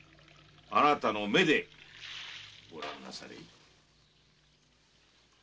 あなたの目でご覧なされい。